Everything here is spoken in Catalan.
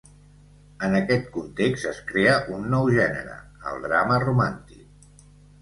En aquest context es crea un nou gènere, el drama romàntic.